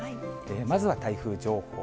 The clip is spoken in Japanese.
まずは台風情報。